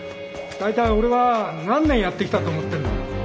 大体俺が何年やってきたと思ってんだ。